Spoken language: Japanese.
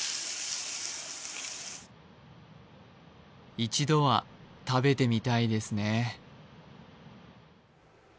一度は食べてみたいですね。